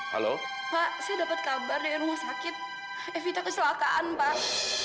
halo pak saya dapat kabar dari rumah sakit efita keselakaan pak